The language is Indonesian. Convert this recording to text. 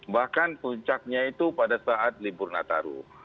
bahkan puncaknya itu pada saat libur nataru